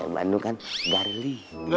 bandung kan garli